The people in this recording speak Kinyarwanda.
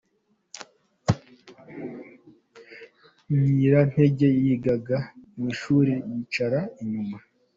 Ngirente yigaga mu ishuli yicara inyuma.